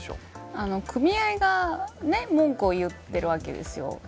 組合が文句を言っているわけですよ。